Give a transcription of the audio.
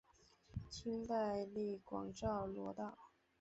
清代隶广肇罗道。